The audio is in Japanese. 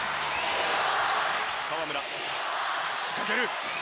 河村、仕掛ける。